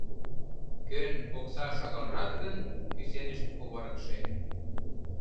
Кӧн окса шагалрак гын, кӱсенышт оваргыше.